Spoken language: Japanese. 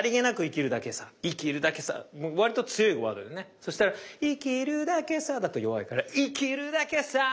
そしたら「生きるだけさ」だと弱いから「生きるだけさ！」。